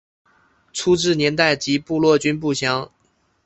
初置年代及部落均不详。